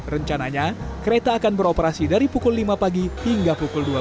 rencananya kereta akan beroperasi dari pukul lima pagi hingga pukul dua belas